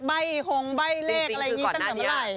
ใบ้หงใบ้เลขอะไรอย่างนี้ตั้งแต่เมื่อไหร่